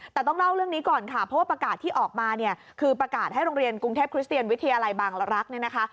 แต่ต้องเล่าเรื่องนี้ก่อนค่ะเพราะว่าประกาศที่ออกมาเนี่ยคือประกาศให้โรงเรียนกรุงเทพคริสเตียนวิทยาลัยบางรักษ์เนี่ยนะคะ